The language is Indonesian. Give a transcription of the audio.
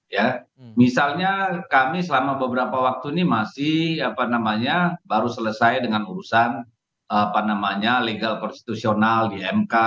ya misalnya kami selama beberapa waktu ini masih apa namanya baru selesai dengan urusan legal konstitusional di mk